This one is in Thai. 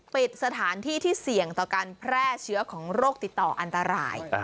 ปิดสถานที่ที่เสี่ยงต่อการแพร่เชื้อของโรคติดต่ออันตราย